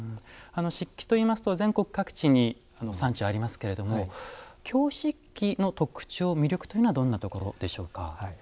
漆器といいますと全国各地に産地ありますけれども京漆器の特徴魅力というのはどんなところでしょうか？